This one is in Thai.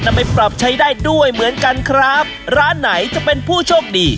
ไปปรับใช้ได้ด้วยเหมือนกันครับร้านไหนจะเป็นผู้โชคดี